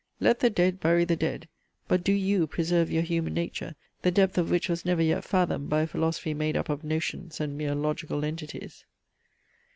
Let the dead bury the dead, but do you preserve your human nature, the depth of which was never yet fathomed by a philosophy made up of notions and mere logical entities.